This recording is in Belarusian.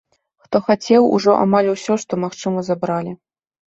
Хто хацеў, ужо амаль усё, што магчыма, забралі.